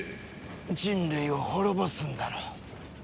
人類を滅ぼすんだろう。